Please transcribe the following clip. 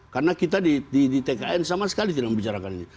karena kita di tkn sama sekali tidak membicarakan ini